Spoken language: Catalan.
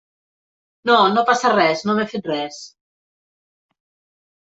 No, no passa res, no m'he fet res.